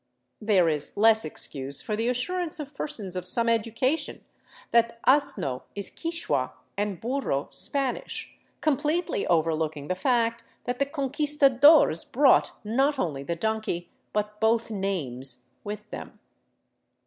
There Is less excuse for the assurance of persons of some education that *' asno " is Quichua and " burro " Spanish, completely overlooking the fact that the Conquistadores brought not only the donkey, but both names, with them.